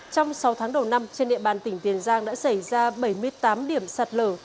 trong sáu tháng đầu năm trên địa bàn tỉnh tiền giang đã xảy ra bảy mươi tám điều